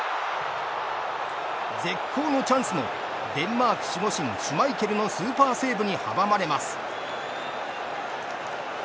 絶好のチャンスもデンマーク守護神シュマイケルのスーパーセーブに阻まれます。